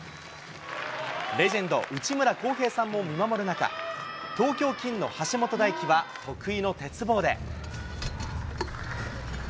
レジェンド、内村航平さんも見守る中、東京金の橋本大輝は、得意の鉄棒で。